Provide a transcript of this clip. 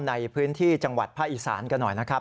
ในพื้นที่จังหวัดภาคอีสานกันหน่อยนะครับ